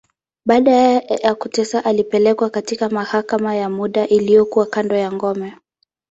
Baada ya kuteswa, alipelekwa katika mahakama ya muda, iliyokuwa kando ya ngome.